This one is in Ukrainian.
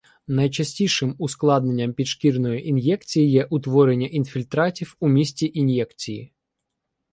Найчастішим ускладненням підшкірної ін'єкції є утворення інфільтратів у місці ін'єкції.